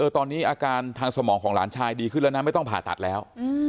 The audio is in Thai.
ตอนนี้อาการทางสมองของหลานชายดีขึ้นแล้วนะไม่ต้องผ่าตัดแล้ว